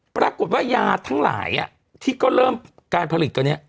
ปรากฏว่ายาทั้งหลายที่ก็เริ่มการผลิตตัวนี้